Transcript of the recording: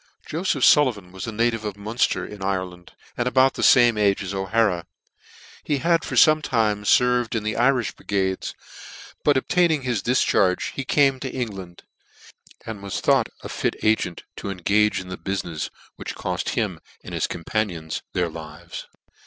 JOSEPH SULLIVAN was a native of Munfter in Ireland, and about the fame age as O'Hara. H,c had for fome time ferved in the Irilh brigades, but ACCOUNT of the REBELLION in 1715. 183 but obtaining his difcharge, he came to Eng land, and was thought a fie agent to engage in the bufmefs which coft him and his companions their lives.